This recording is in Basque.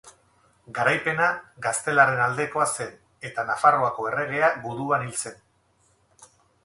Garaipena gaztelarren aldekoa zen eta Nafarroako erregea guduan hil zen.